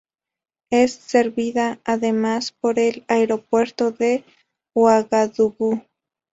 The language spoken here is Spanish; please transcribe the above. Es servida además por el Aeropuerto de Uagadugú.